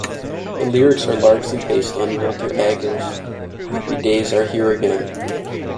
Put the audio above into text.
The lyrics are largely based on Milton Ager's Happy Days Are Here Again.